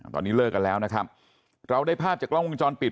ตอนนี้เลิกกันแล้วนะครับเราได้ภาพจากกล้องวงจรปิด